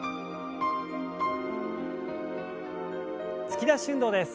突き出し運動です。